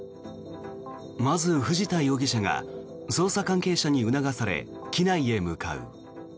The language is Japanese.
まず藤田容疑者が捜査関係者に促され機内へ向かう。